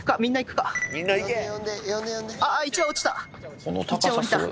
あっ１羽落ちた。